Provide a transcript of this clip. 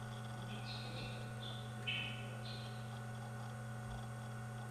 რუსეთის მიერ საქართველოს მიერთების შემდეგ ბაღი სახელმწიფო საკუთრება გახდა.